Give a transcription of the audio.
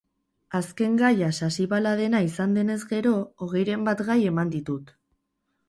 Azken gaia sasibaladena izan denez gero, hogeiren bat gai eman ditut.